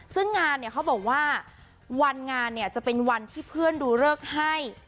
ซึ่งงานเนี่ยเขาบอกว่าวันงานเนี่ยจะเป็นวันที่เพื่อนดูเลิกให้